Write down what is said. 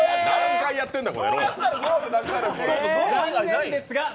何回やってんねん。